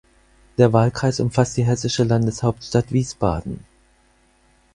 Der Wahlkreis umfasst die hessische Landeshauptstadt Wiesbaden.